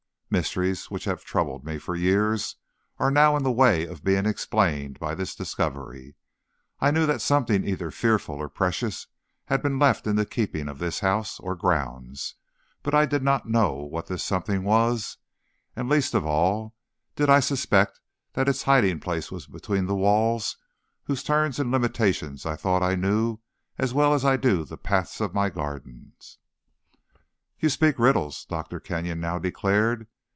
"Mysteries which have troubled me for years are now in the way of being explained by this discovery. I knew that something either fearful or precious had been left in the keeping of this house or grounds; but I did not know what this something was, and least of all did I suspect that its hiding place was between walls whose turns and limitations I thought I knew as well as I do the paths of my garden." "You speak riddles," Dr. Kenyon now declared.